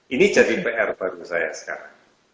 ini jadi pr baru saya sekarang